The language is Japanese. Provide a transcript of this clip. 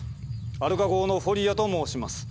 アルカ号のフォリアと申します。